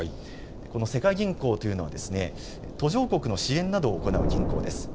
この世界銀行というのは途上国の支援などを行う銀行です。